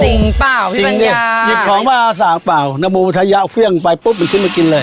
จริงเปล่าพี่ฟัญญาจริงเนี้ยหยิบของมาสั่งเปล่านโมทัยะเฟื่องไปปุ๊บมันขึ้นมากินเลย